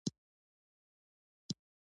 مهاجرت دافغانانو دژوند برخه ګرځيدلې